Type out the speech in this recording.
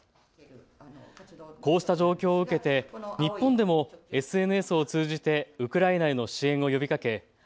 こうした状況を受けて日本でもＳＮＳを通じてウクライナへの支援を呼びかけ